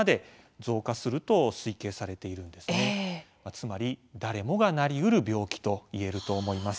つまり誰もがなりうる病気と言えると思います。